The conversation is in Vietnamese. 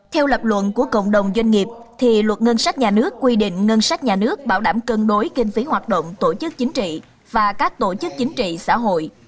theo lập luận của cộng đồng doanh nghiệp thì luật ngân sách nhà nước quy định ngân sách nhà nước bảo đảm cân đối kinh phí hoạt động tổ chức chính trị và các tổ chức chính trị xã hội